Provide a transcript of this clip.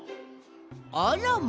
あらま。